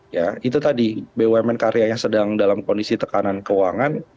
ya itu tadi bumn karyanya sedang dalam kondisi tekanan keuangan